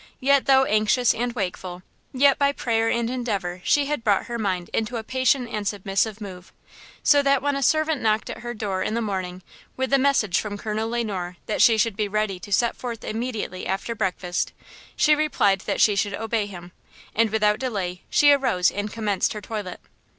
Yet, though anxious and wakeful, yet by prayer and endeavor she had brought her mind into a patient and submissive mood, so that when a servant knocked at her door in the morning with a message from Colonel Le Noir that she should be ready to set forth immediately after breakfast, she replied that she should obey him, and without delay she arose and commenced her toilet.